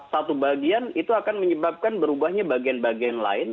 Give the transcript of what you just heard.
satu bagian itu akan menyebabkan berubahnya bagian bagian lain